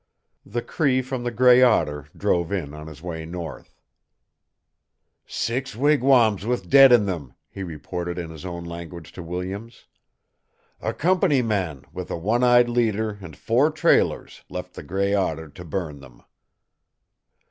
The Cree from the Gray Otter drove in on his way north. "Six wigwams with dead in them," he reported in his own language to Williams. "A company man, with a one eyed leader and four trailers, left the Gray Otter to burn them."